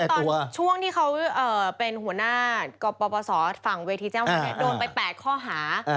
ต้องบอกว่าตอนช่วงที่เขาเป็นหัวหน้ากรปศฝั่งเวทีเจ้าหัวเนี่ยโดนไปแปะข้อหา